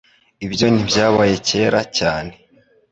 Ibyo ntibyabaye kera cyane.